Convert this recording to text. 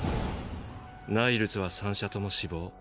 ナイルズは三者とも死亡。